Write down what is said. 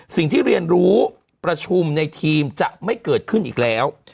สิ่งที่เรียนรู้ประชุมในทีมจะไม่เกิดขึ้นอีกแล้ว